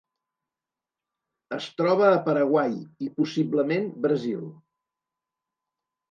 Es troba a Paraguai i possiblement Brasil.